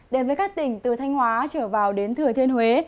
đến với các tỉnh từ thanh hóa trở vào đến thừa thiên huế